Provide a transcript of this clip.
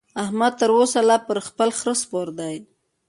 احمد تر اوسه لا پر خپل خره سپور دی.